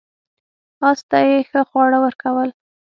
اس ته یې ښه خواړه ورکول.